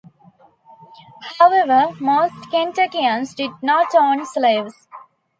However, most Kentuckians did not own slaves.